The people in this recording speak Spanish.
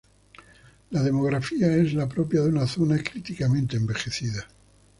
La demografía es la propia de una zona críticamente envejecida.